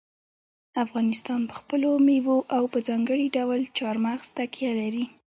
افغانستان په خپلو مېوو او په ځانګړي ډول چار مغز تکیه لري.